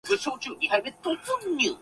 彼はそれを知らない。